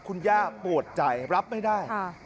คุณย่าปวดใจรับไม่ได้